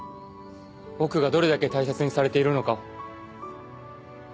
僕がどれだけ大切にされているのかを。